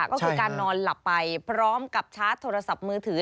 ก็คือการนอนหลับไปพร้อมกับชาร์จโทรศัพท์มือถือ